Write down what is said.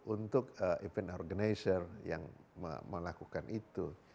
untuk event organizer yang melakukan itu